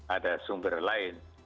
ada sumber lain